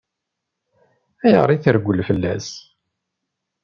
Ayɣer i treggel fell-as?